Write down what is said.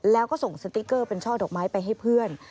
แล้วก็ส่งสติ๊กเกอร์เป็นช่อดอกไม้ไปให้เพื่อน